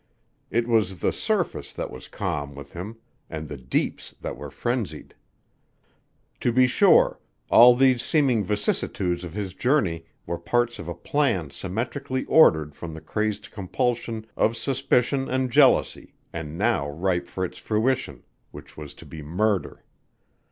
It was the surface that was calm with him and the deeps that were frenzied. To be sure, all these seeming vicissitudes of his journey were parts of a plan symmetrically ordered from the crazed compulsion of suspicion and jealousy and now ripe for its fruition, which was to be murder.